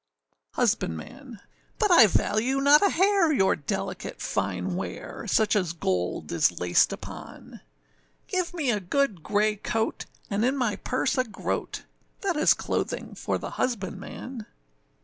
HUSBANDMAN. But I value not a hair your delicate fine wear, Such as gold is laced upon; Give me a good grey coat, and in my purse a groat, That is clothing for the husbandman.